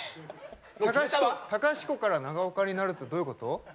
隆子から長岡になるってどういうこと？